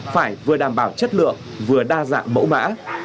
phải vừa đảm bảo chất lượng vừa đa dạng mẫu mã